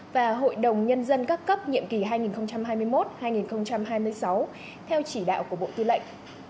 và hội đồng nhân dân các cấp nhiệm kỳ hai nghìn hai mươi một hai nghìn hai mươi sáu theo chỉ đạo của bộ tư lệnh